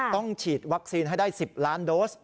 ต้องฉีดวัคซีนให้ได้๑๐ล้านโดส